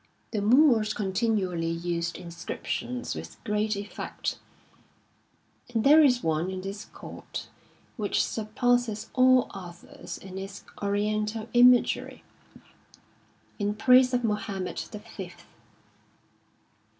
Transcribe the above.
The Moors continually used inscriptions with great effect, and there is one in this court which surpasses all others in its oriental imagery, in praise of 184 M Ubc Blbambra Mohammed V.